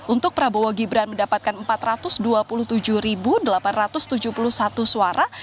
untuk prabowo gibran mendapatkan empat ratus dua puluh tujuh delapan ratus tujuh puluh satu suara